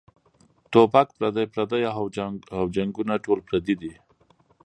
ټوپک پردے پردے او هم جنګــــونه ټول پردي دي